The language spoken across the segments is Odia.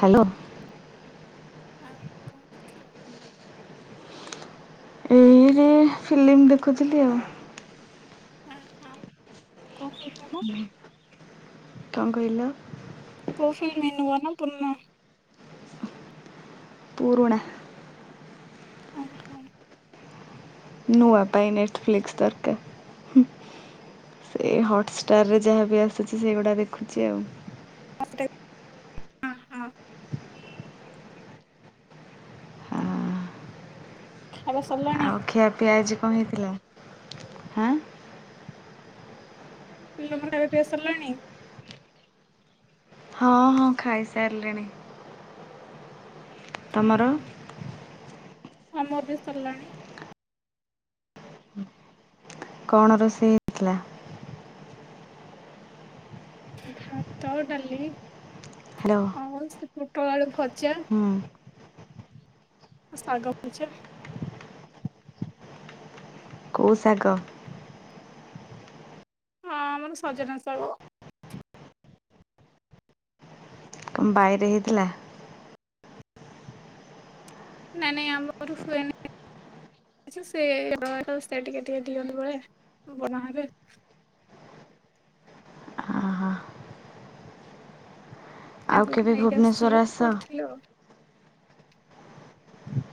ହ୍ୟାଲୋ। ହଁ କଣ କରୁଥିଲ। ଏଇ ଯେ ଫିଲ୍ମ ଦେଖୁଥିଲି ଆଉ। ହଁ ହଁ। କ କଣ। କଣ କହିଲ। କୋଉ ଫିଲମି ନୂଆ ନା ପୁରୁଣା। ପୁରୁଣା। ନୂଆ ପାଇଁ ନେଟଫ୍ଲିକ୍ସ ଦରକାର ହୁଁ ସେ ହଟ୍ଷ୍ଟାରରେ ଯାହା ବି ଆସୁଛି ସେଗୁଡ଼ା ଦେଖୁଛି ଆଉ। ହଁ ହଁ। ଆବା ଆଉ ଖିଆ ପିଆ ଆଜ କଣ ହେଇହିଥିଲା ହାଁ। ପିଲା ମାନଙ୍କ ଖାଇବା ପିଇବା ସାରିଲାଣି? ହଁ ହଁ ଖାଇସାରିଲିଣି। ତମର? ଆମର ବି ସରିଲାଣି। କଣ ରୋଷେଇ ହେଇଥିଲା? ଭାତ, ଡାଲି ହ୍ୟାଲୋ ଆଉ ସେ ପୋଟଳ ଆଳୁ ଭଜା ହୁଁ ସାଗ ଭଜା କୋଉ ଶାଗ? ହଁ ଆମର ସଜନା ସାଗ। ବାଇରେ ହେଇ ଥିଲା। ନାଇଁ ନାଇଁ ଆମର ହୁଏନି [inaudible] ସେ ର ସେ ଟିକେ ଟିକେ ଦିଅନ୍ତୁ ବଳେ ବଡମା ହେବେ। ଓହୋ ଆଉ ତାଙ୍କଠୁ କେବେ ନେଇକି ଭୁବନେଶ୍ୱର ଆସିଥିଲୁ ଆସ କରିଥିଲୁ ଆଉ।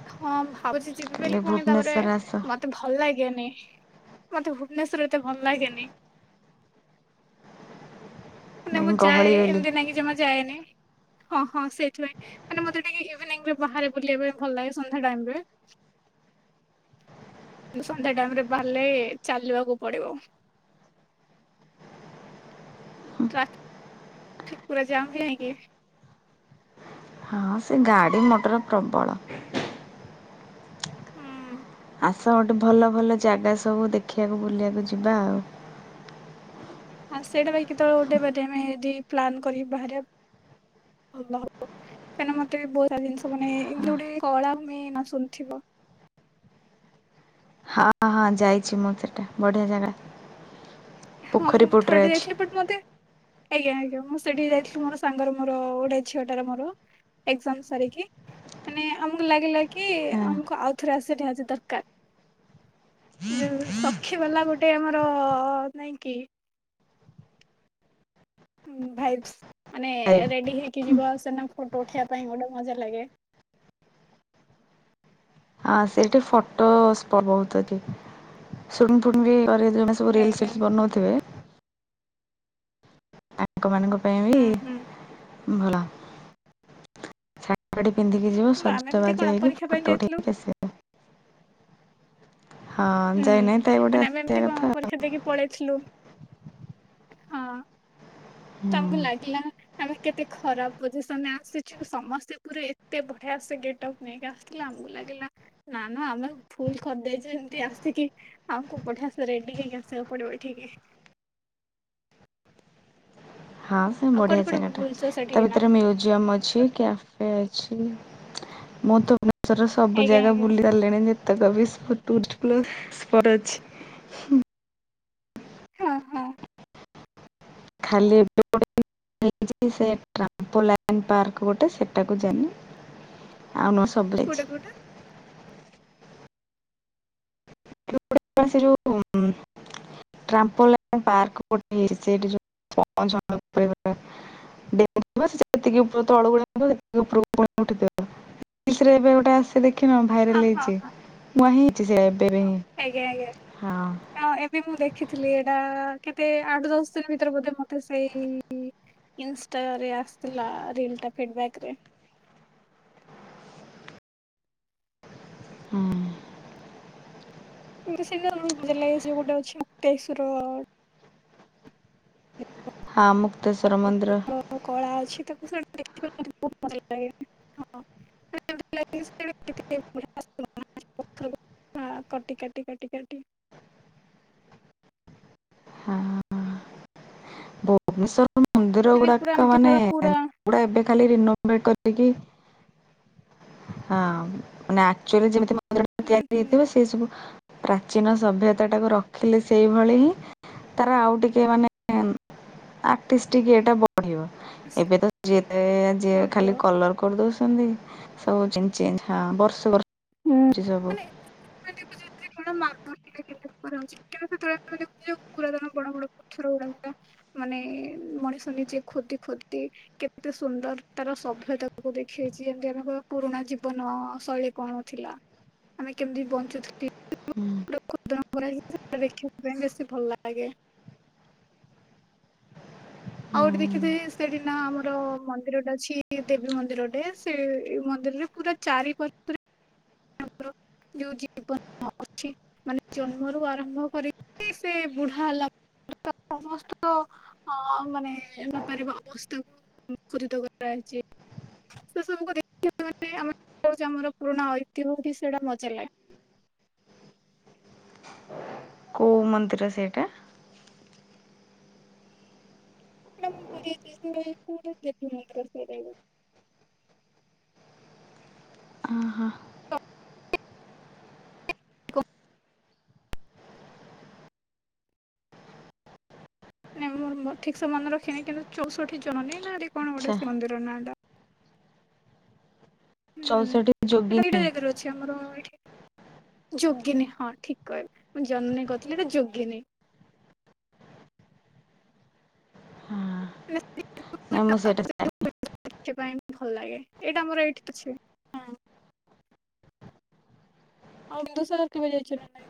ହଁ ଭାବୁଚି ଯିବି କାଲି ବୋଲି ପୁଣି ତାପରେ ଭୁବନେଶ୍ୱର ଆସ ମତେ ଭଲ ଲାଗେନି। ମତେ ଭୁବନେଶ୍ଵର ଏତେ ଭଲ ଲାଗେନି ନା ମୁଁ ଗହଳି ଯାଏ ବୋଲି ଏମିତି ନାଇକି ଜମା ଯାଏନି ହଁ ହଁ ସେଇଥି ପାଇଁ ମାନେ ମୋତେ ଟିକେ ଇଭିନିଙ୍ଗରେ ବାହାରେ ବୁଲିବା ପାଇଁ ଭଲ ଲାଗେ ସନ୍ଧ୍ୟା ଟାଇମ୍ ରେ ସନ୍ଧ୍ୟା ଟାଇମ୍ ରେ ବାହାରିଲେ ଚାଲିବାକୁ ପଡ଼ିବ। ଟ୍ରାଫିକ୍ ପୁରା ଜାମ ହୁଏନି କି? ହଁ ସେ ଗାଡ଼ି ମଟର ପ୍ରବଳ। ହୁଁ। ଆସ ଗୋଟେ ଭଲ ଭଲ ଜାଗା ସବୁ ଦେଖିବାକୁ ବୁଲିବାକୁ ଯିବା ଆଉ। ଆଉ ସେଇଟା ପା କେତେବେଳେ ଗୋଟେ ବାଟେ ଆମେ ଦି ପ୍ଲାନ୍ କରି ବାହାରିବା। ଭଲ ହବ କାହିଁକିନା ମତେ ବହୁତ ସାରା ଜିନିଷ ମାନେ ଯୋଉଟା କଳାହୁମି ନା ଶୁଣିଥିବ। ହଁ ହଁ ଯାଇଚି ମୁଁ ସେଇଟା ବଢ଼ିଆ ଜାଗା। ହଁ ପୋଖରୀ ମୁଁ ପଟରେ ଥରଟେ ରେ ଅଛି ଯାଇଥିଲି ବଟ୍ ମତେ ଆଜ୍ଞା ଆଜ୍ଞା ମୁଁ ସେଠି ଯାଇଥିଲି ମୋର ସାଙ୍ଗର ମୋର ଗୋଟେ ଝିଅଟାର ମୋର ଏକ୍ଜାମ ସାରିକି ମାନେ ଆମକୁ ଲାଗିଲା କି ହଁ। ଆମକୁ ଆଉଥରେ ଆସିଠି ନିହାତି ଦରକାର, ଯୋଉ ସଖି ବାଲା ଗୋଟେ ଆମର ନାଇଁକି ଭାଇସ୍ପି ମାନେ ଯାଇବି। ରେଡି ହେଇକି ଯିବା ଆ ସେନା ଫଟୋ ଉଠେଇବା ପାଇଁ ଗୋଟେ ମଜା ଲାଗେ। ହଁ ସେଇଠି ଫଟୋ ସ୍ପଟ୍ ବହୁତ ଅଛ। ଶୁଣୀ ଫୁଣୀ ବି ଆରେ [unintelligible] ଜଣେ ସବୁ ରିଲ ଆଜ୍ଞା ସେଠି ବନଉଥିବେ ଆଗ ମାନଙ୍କ ପାଇଁ ବି ହୁଁ ହୁଁ ଭଲ ଶାଢ଼ୀ ପାଢ଼ୀ ପିନ୍ଧିକି ଯିବ ଆମେ ଏମିତି ସଜବାଜ କଣ ହେଇକି ପରୀକ୍ଷା ପାଇଁ ଫଟୋ ଯାଇଥିଲୁ ଉଠେଇକି ଆସିବ ପାଇଁ ହଁ ହୁଁ। ଯାଇନହିଁ ତ ଏଇପଟେ ମାନେ ଆମେ ଏମିତି ଆସିିବା କଣ କଥା ପରୀକ୍ଷା ଦେଇକି ପଳେଇଥିଲୁ ଆଉ। ତମକୁ ହୁଁ। ଲାଗିଲା ଆମେ କେତ ଏତେ ଖରାପ ପୋଜିସନ୍ ରେ ଆସିଛୁ ସମସ୍ତେ ପୁରା ଏତେ ବଢିଆ ସେ ଗେଟ୍ ଅପ୍ ନେଇକି ଆସିଥିଲା ଆମକୁ ଲାଗିଲା ନା ନା ଆମେ ଭୁଲ କରିଦେଇଛୁ ଏମତି ଆ ିକି ଆମକୁ ପଠିଆସ [unintelligible] ରେଡି ହେଇକି ଆସିବାକୁ ପଡିବ ଏଠିକି ହଁ ସେ ଆଉ କୋଉଠି ବଢିଆ କୋଉଠି ଜାଗା ଟା ବୁଲୁଛ ତା ସେଠିକି ନା ଭିତରେ ମ୍ୟୁଜିୟମ ଅଛି କ୍ୟାଫେ ଅଛି। ମୁ ତ [inaudible] ସବୁ ଆଜ୍ଞା ଜାଗା ଆଜ୍ଞା ବୁଲି ସାରିଲେଣି ଯେତେକ ବି ଟୁରିଷ୍ଟ ପ୍ଲେସ୍ ସ୍ପଟ ଅଛି। ହଁ ହଁ ଖାଲି ପାର୍କ [inaudible] ଗୋଟେ ସେଟାକୁ ଯାଇନି। ଆଉ ନ ସବୁ କୋଉଟା ଯାଇଛି। କୋଉଟା କ ଗଟ [inaudible] ତୁମେ ଦେଖିନ ହଁ ଭାଇରାଲ ହଁ ହେଇଚି ହଁ ମୁଁ ସେ ଏବେ ଏବେ ହିଁ ଆଜ୍ଞା ହଁ ଆଜ୍ଞା ଆ ଏବେ ମୁଁ ଦେଖିଥିଲି ଏଇଟା। ଆ କେତେ ଆଠ ଦଶ ଦିନ ଭିତରେ ବୋଧେ ମୋତେ ସେଇ ଇ ଇନଷ୍ଟା ରେ ଆସିଥିଲା ରିଲ ଟା ଫିଡବ୍ୟାକ ରେ ହଁ। ଏମିତି ସେନା ଲ ସେ ଗୋଟେ ଅଛି ଉକ୍ତେଶ୍ବର ହଁ ମୁକ୍ତେଶ୍ଵର ମନ୍ଦିର କଳା ଅଛି ତାକୁ ମତେ ସେଇଟା ବହୁ ଭ ଲାଗେଟି କଟି କଟି କଟି ହ ମୁନ୍ଦିର ମାନେ ପୁରା ଗୁଡାକ ଏମିତି ମାନେ କହିବା ପୁରା ଏବେ କା ଖାଲି ରିନ୍ୟୁ ମେଟ୍ କରିକି ହଁ ମାନେ ଆକ୍ଚୁଆଲି ଯେମିତି ହୁଁ ତିଆରି ହୁଁ ହେଇଥିବ ସେ ସବୁ ପ୍ରାଚୀନ ସଭ୍ୟତା ଟାକୁ ରଖିଲି ସେଇଭଳି ହିଁ ତାର ଆଉ ଟିକେ ମାନେ ଆକ୍ଟିଷ୍ଟଟିିକ ଏଟା ବ ପଢିବ ଏବେ ତ ଯିଏ ଯିଏ ଖାଲି ବଢିବ କଲର କରିଦଉଛନ୍ତି। ମୁଁ ସବୁ ଚେଞ୍ଚ ଚାଞ୍ଚ ବର୍ଷ ବର୍ଷ ପଜିି ସବୁ ମାନେ କରଚି ସେତେବେଳେ ଆମେ ଦେଖଛେ ପୁରାତନ ବଡ ବଡ ପଥର ଗୁଡା ଗୁଡା ମାନେ ମଣିଷ ନିଜେ ଖୋଦି ଖୋଦି କେତେ ସୁନ୍ଦର ତାର ସଭ୍ୟତାକୁ ଦେଖିେଇଚି ଯେମିତି ଆମେ କହିବା ପୁରୁଣା ଜୀବନ ଶୈଳୀ କଣ ଥିଲା ଆମେ କେମିତି ବଞ୍ଚୁଥିଲୁ। ହୁଁ। ପୁରୁଣା ଜିନିଷ ଦେଖିବା ପାଇଁ ବେଶୀ ଭଲ ଲାଗେ। ଆଉ ଗୋଟେ ହୁଁ। ଦେଖିଥିବେ ସେଠି ନା ଆମର ମନ୍ଦିରଟା ଅଛି ଦେବୀ ମନ୍ଦିରଟେ ସେ ମନ୍ଦିରରେ ପୁରା ଚାରି ପାର୍ଶ୍ଵରେ ଆର ଯୋଉ ଜୀବନ ଅଛି ମାନେ ଜନ୍ମରୁ ଆରମ୍ଭ କରିକି ସେ ବୁଢା ହେଲା ପର୍ଯ୍ୟନ୍ତ ସମସ୍ତେ ମାନେ ବେପାର ଅବସ୍ଥାକୁଖୋଦିତ କରାଯାାଇଛି ସେ ସବୁ ଦେଖିବା ମାନେ ଆମ ଆମର ପୁରୁଣା ମୋତେ ବି ସେଇଟା ମଜା ଲାଗେ। କେଉଁ ମନ୍ଦିର ସେଇଟା। ମୋ କ ଲେଖ ସେଇ ଅହଁ, ଦେ କ ନାଇଁ ମୁଁ ମୋର ଠିକ ସେ ମନେ ରଖିନି କିନ୍ତୁ ଚଉଷଠି ଜଣେ ନା। କଣ ଗୋଟେ ଆଚ୍ଛା ସେ ମନ୍ଦିର ନାଟା ହୁଁ ଚଉଷଠି ସେଟା ଏଇ ଯୋଗିନୀ ଜାଗାରେ ଅଛି ଆମର ଏଠି ଯୋଗୀନି ହଁ ଠିକ କହଲ ମୁଁ ଜନ୍ନି କହୁଥିଲି କି ଯୋଗୀନି। ହଁ ମି ନାଇଁ ମୁଁ ସେଇଟା ଦେବା ପାଇଁ ଭଲ ଲାଗେ ଏଇଟା ଆମର ଏଇଠି ଅଛି ଆଉ ବିନ୍ଦୁ ସାଗର କେବେ ଜାଇଚ କି ନାହିଁ।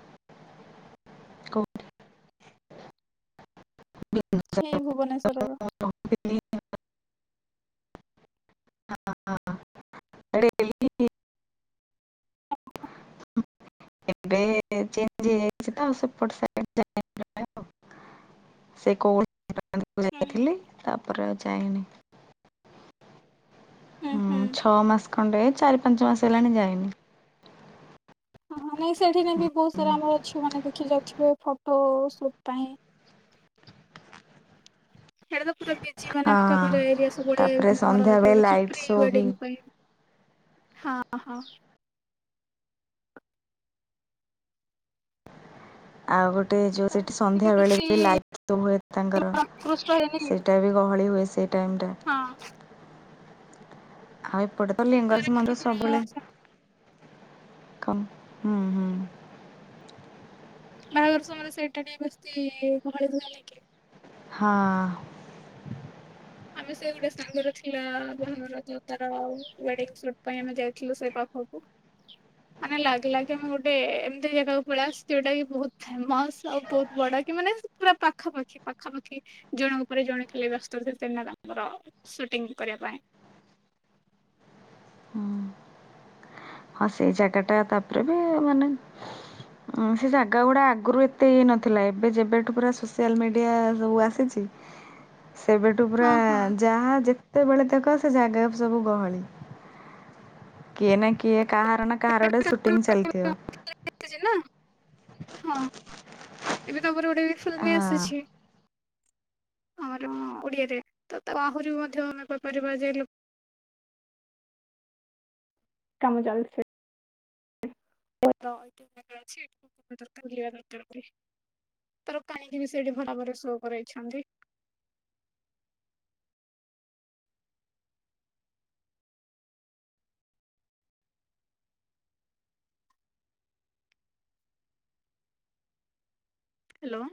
କହୁଥିଲି ହେଇ ଭୁବନେଶ୍ଵରର ହ ହଁ ହଁ ଏବେ ଚେଞ୍ଜ ହେଇଯାଇଛି ତ ସେପଟ ସାଇଡ଼ରେ ଯାଇ ନାଇଁ ଆଉ ସେ କୋଉ ରଜ କୁ ଯାଇଥିଲି ତାପରେ ଚାହିନି ହୁଁ ଛଅ ମାସ କଣ୍ଡ ଚାରି ପଞ୍ଚମାସଲାଣି ଯାଇନି ହ ହାଇ ସେଠିନାଇ ବି ହୁଁ। ବହୁତ ସାରା ଆମର ଅଛି ମାନେ ଦେଖି ଯାଉ ିବେ ଫଟୋ ସୁଟ ପାଇଁ [inaudible] ହେଦ [inaudible] ପୁରା ବିଜି ମାନେ ଆମ ହଁ ଏରିଆ ତାପରେ ସବୁବେଳେର ସନ୍ଧ୍ୟା ବେଳେ ଅଛି ଲାଇଟ୍ ପ୍ରି ଶୋ ୱେଡି ବି ପାଇଁ ହଁ ହଁ ଆଉ ଗୋଟେ ଗୋଟ ଯୋଉ ତାପରେ ସେଠି ଟିକେ ସନ୍ଧ୍ୟା ବେଳେ ବି ବେଶୀ ଲାଇ ହୁଏ ତାଙ୍କର ଉତ୍କୃଷ୍ଟ ହେଇନି ସେଇଟା ବି ଗହଳି ହୁଏ େଣ୍ଡା ହଁ [unintelligible] ଆମେ [unintelligible] ଏପଟେ ତ ତାପରେ ଲିଙ୍ଗଜ ମନ୍ଦିର ସବୁବେଳେ ବାହାଘର କ ହୁଁ ହୁ ବାହାଘର ସମୟରେ ସେଇଟା ଟିକ ବେଶତି ଭଳିଭଳି କି ନେଇକ ହଁ ଆମେ ସେ ଗୋଟେ ସାଙ୍ଗରେ ଥିଲାର ଯୋଉ ତାର ୱେଡିଙ୍ଗ ସୁଟ ପାଇଁ ଆମେ ସେ ଗୋଟିଏ ସାଙ୍ଗର ଥିଲା ବାହାଘର ତ ଉଣ୍ଡିଙ୍ଗୀ ସୁଟ୍ ଥିଲା ଯାଇଥିଲୁ ସେ ପାଖକୁ ମାନେ ଲାଗିଲା କି ଆମେ ଗୋଟେ ଏମିତି ଜାଗାକୁ ପଳୁ ଯୋଉଟା କି ବହୁତ ଫେମସ ଆଉ ବହୁତ ବଡ କି ମାନେ ପୁରା ପାଖାପାଖି ପାଖାପାଖି ଜଣ ପ ଜଣେ ଥିଲେ ବ୍ୟସ୍ତ ସେନା ତାଙ୍କର ସୁଟିଂ କରିବା ପାଇଁ ହଁ ହଁ ସେଇ ଜାଗା ଟା ତାପରେ ବି ମାନେ ସେ ଜାଗା ଗୁଡା ଆଗରୁ ଏତେ ହେଇ ନଥିଲା ଏବେ ଯେବେଠୁ ପୁରା ସୋସିଆଲ ମିଡିଆ ସବୁ ଆସିଛି ସେବେଠୁ ପୁରା ହଁ ହଁ। ଯାହା ଯେ ସେବେଳେ ତାକ ସେ ଜାଗା ସବୁ ଗହଳି କିଏ ନା କି କାହାର ନା କାହାର ଗୋଟେ ସୁଟିଂ ଆସିଛି ନା ହଁ ଚାଲିଥିବ ଏବେ ତ ମୋର ଗୋଡେ ବି ଫୁଲମ ହଁ ଆସିୁଛି ଆମର ଓଡିଆରେ ତ ତା ଆହୁରି ମଧ୍ୟ ଆମେ କହିପାରିବା କାମ ଚାଲୁ ଦର ତାର କାହିଁକି ବି ସେଠି ଭଲ ଭାବରେ ଶ କରାଇଛନ୍ତି। ହ୍ୟାଲୋ।